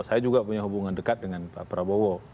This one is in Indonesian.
saya juga punya hubungan dekat dengan pak prabowo